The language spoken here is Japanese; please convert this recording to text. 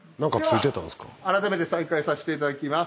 ではあらためて再開させていただきます。